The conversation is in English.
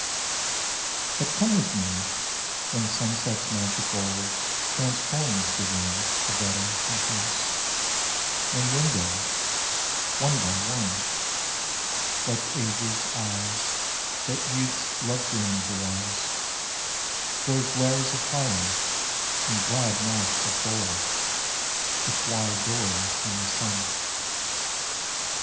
But come with me when sunset's magic old Transforms the ruin of that ancient house; When windows, one by one, Like age's eyes, that youth's love dreams arouse, Grow lairs of fire; and glad mouths of gold Its wide doors, in the sun.